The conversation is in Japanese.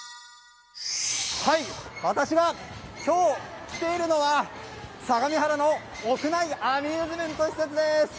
私が今日来ているのは相模原の屋内アミューズメント施設です。